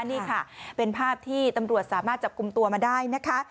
นี่ค่ะเป็นภาพที่ตำรวจสามารถจับกลุ่มตัวมาได้นะคะ